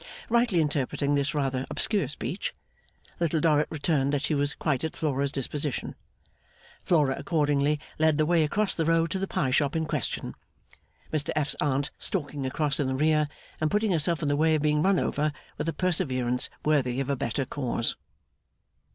Rightly interpreting this rather obscure speech, Little Dorrit returned that she was quite at Flora's disposition. Flora accordingly led the way across the road to the pie shop in question: Mr F.'s Aunt stalking across in the rear, and putting herself in the way of being run over, with a perseverance worthy of a better cause.